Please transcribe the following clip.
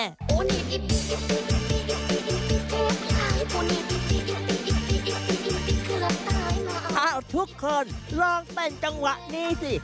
ทุกคนลองเป็นจังหวะนี้สิ